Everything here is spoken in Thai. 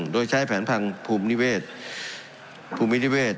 โดยใช้แผนภัณฑ์ภูมินิเวศ